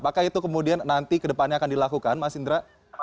apakah itu kemudian nanti kedepannya akan dilakukan mas indra